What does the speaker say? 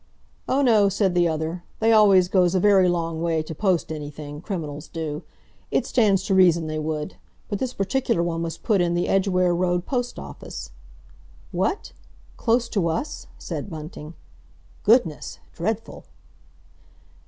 "Oh, no," said the other. "They always goes a very long way to post anything—criminals do. It stands to reason they would. But this particular one was put in the Edgware Road Post Office." "What? Close to us?" said Bunting. "Goodness! dreadful!"